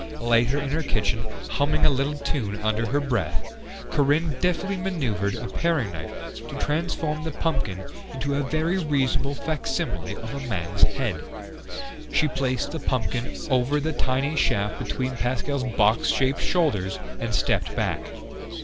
Later in her kitchen, humming a little tune under her breath, Corinne deftly maneuvered a paring knife to transform the pumpkin into a very reasonable facsimile of a man's head. She placed the pumpkin over the tiny shaft between Pascal's box shaped shoulders and stepped back.